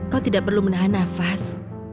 kau tidak perlu menahan nafas